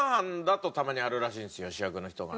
主役の人が。